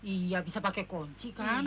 iya bisa pakai kunci kan